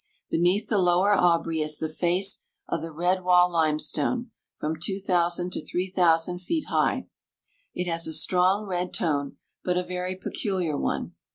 Beneath the Lower Aubrey is the face of the Red Wall limestone, from 2,000 to 3,000 feet high. It has a strong red tone, but a very peculiar one.